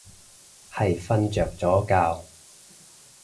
係瞓着咗覺